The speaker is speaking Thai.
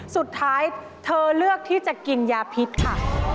สุดท้ายเธอเลือกที่จะกินยาพิษค่ะ